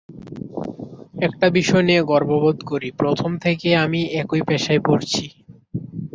একটা বিষয় নিয়ে গর্ববোধ করি, প্রথম থেকে আমি একই পোশাক পরছি।